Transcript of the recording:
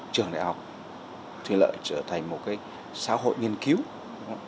trường đại học thủy lợi trở thành một xã hội nghiên cứu